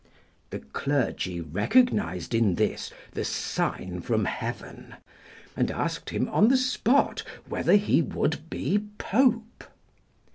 The clergy recognised in this the sign from Heaven, and asked him on the spot whether he would be Pope.